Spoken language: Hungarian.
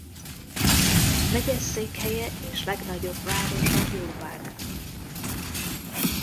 Megyeszékhelye és legnagyobb városa Urbana.